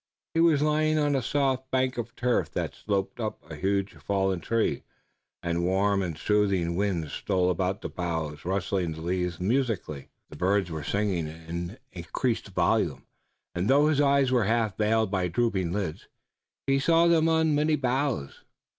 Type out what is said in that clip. He was lying on a soft bank of turf that sloped up to a huge fallen trunk, and warm, soothing winds stole about among the boughs, rustling the leaves musically. The birds were singing in increased volume, and, though his eyes were half veiled by drooping lids, he saw them on many boughs.